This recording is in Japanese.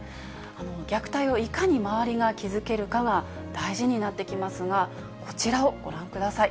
虐待をいかに周りが気付けるかが、大事になってきますが、こちらをご覧ください。